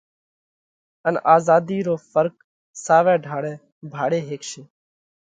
ان آزاڌِي رو ڦرق ساوئہ ڍاۯئہ ڀاۯي هيڪشي.